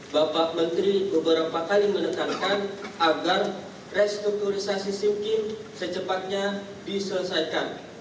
bapak menteri beberapa kali menekankan agar restrukturisasi sim kim secepatnya diselesaikan